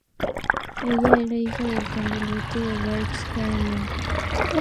Ella era hija del Conde Alberto de Berg-'s-Heerenberg.